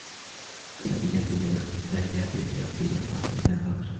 عَسَى أَن يَهْدِيَنِ رَبِّي لِأَقْرَبَ مِنْ هَذَا رَشَدًا.